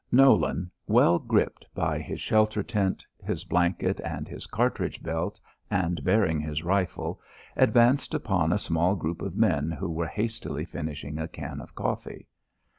Nolan, well gripped by his shelter tent, his blanket, and his cartridge belt, and bearing his rifle, advanced upon a small group of men who were hastily finishing a can of coffee.